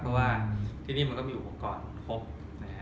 เพราะว่าที่นี่มันก็มีอุปกรณ์ครบนะฮะ